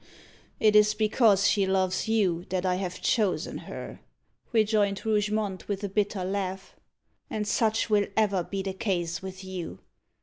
"It is because she loves you that I have chosen her," rejoined Rougemont, with a bitter laugh. "And such will ever be the case with you.